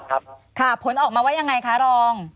ค่ะผลออกมาไว้ยังไงคะรอง